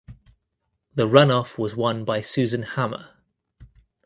The runoff was won by Susan Hammer.